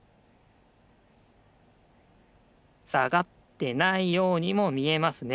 さがってないようにもみえますね。